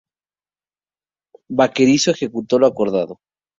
Baquerizo ejecutó lo acordado.